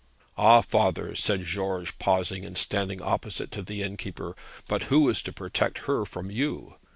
'Ah, father,' said George, pausing and standing opposite to the innkeeper, 'but who is to protect her from you?